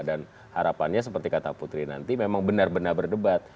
dan harapannya seperti kata putri nanti memang benar benar berdebat